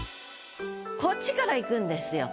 こっちからいくんですよ。